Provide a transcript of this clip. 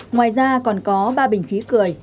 ngoài ra còn có ba bình khí cười